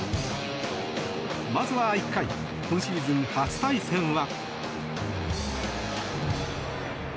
まずは１回今シーズン初対戦は。